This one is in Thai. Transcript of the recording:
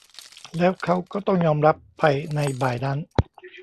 แล้วเค้าก็ต้องยอมรับไปในบ่ายนั้น